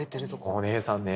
お姉さんね。